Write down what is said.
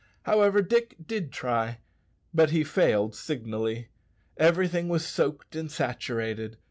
However, Dick did try, but he failed signally. Everything was soaked and saturated.